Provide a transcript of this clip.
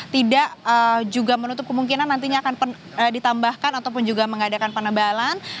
tidak juga menutup kemungkinan nantinya akan ditambahkan ataupun juga mengadakan penebalan